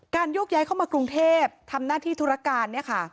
การยกย้ายเข้ามากรุงเทพฯทำหน้าที่ธุรการ